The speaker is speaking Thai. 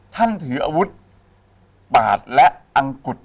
ท่านถืออาวุธปาดและอังกฤษ